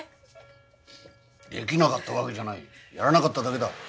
できなかったわけじゃないやらなかっただけだ。